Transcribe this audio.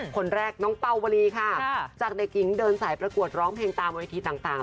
คนแรกน้องเป่าวลีค่ะจากเด็กหญิงเดินสายประกวดร้องเพลงตามเวทีต่าง